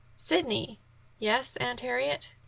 "Sidney." "Yes, Aunt Harriet."